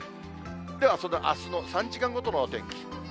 ではそのあすの３時間ごとのお天気。